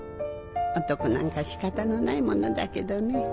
男なんか仕方のないものだけどね。